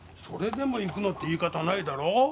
「それでも行くの」って言い方はないだろ？